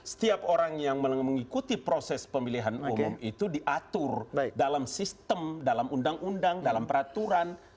setiap orang yang mengikuti proses pemilihan umum itu diatur dalam sistem dalam undang undang dalam peraturan